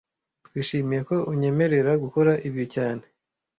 Twishimiye ko unyemerera gukora ibi cyane